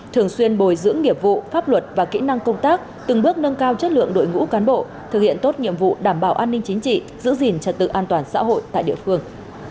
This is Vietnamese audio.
thường xuyên bồi dưỡng nghiệp vụ pháp luật và kỹ năng công tác từng bước nâng cao chất lượng đội ngũ cán bộ thực hiện tốt nhiệm vụ đảm bảo an ninh chính trị giữ gìn trật tự an toàn xã hội tại địa phương